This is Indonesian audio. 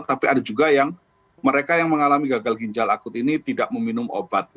tapi ada juga yang mereka yang mengalami gagal ginjal akut ini tidak meminum obat